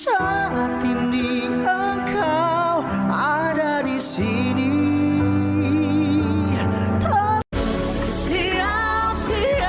oh yakin kan cinta ini